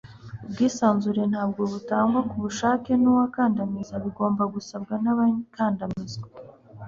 ubwisanzure ntabwo butangwa kubushake nuwakandamiza; bigomba gusabwa n'abakandamizwa